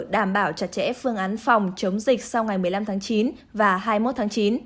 đảm bảo chặt chẽ phương án phòng chống dịch sau ngày một mươi năm tháng chín và hai mươi một tháng chín